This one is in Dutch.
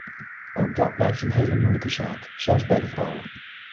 Ook dat blijft een heel moeilijke zaak, zelfs bij de vrouwen.